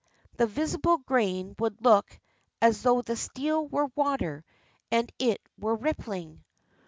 The visible grain would look " as though the steel were water, and it were rippling."